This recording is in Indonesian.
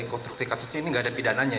fokusnya ini tidak ada pidananya